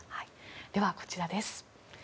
ではこちらです。